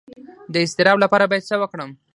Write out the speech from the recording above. د اضطراب لپاره باید څه وکړم؟